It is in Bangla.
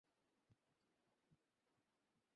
আত্মা কাহাকেও হত্যা করেন না অথবা নিজেও হত হন না।